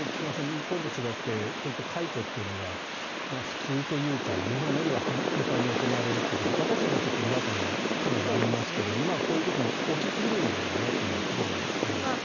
日本と違ってこういう解雇というのが普通というか、日本よりは頻繁に行われるということで私たちはちょっとかなり違和感はありますがこういうことも起き得るんだろうなというところはありますね。